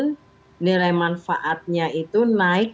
dan nilai manfaatnya itu naik